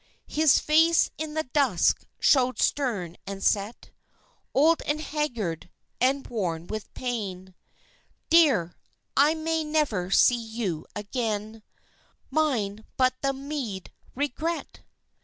His face in the dusk showed stern and set, Old and haggard and worn with pain; "Dear, I may never see you again Mine but the meed regret!